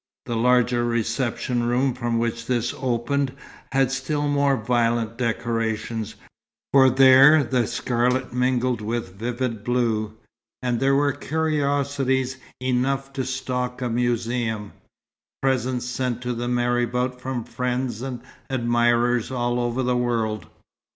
The larger reception room from which this opened had still more violent decorations, for there the scarlet mingled with vivid blue, and there were curiosities enough to stock a museum presents sent to the marabout from friends and admirers all over the world.